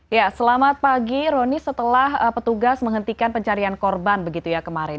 ya selamat pagi roni setelah petugas menghentikan pencarian korban begitu ya kemarin